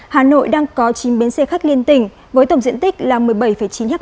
hà nội đang có chín bến xe khách liên tỉnh với tổng diện tích là một mươi bảy chín ha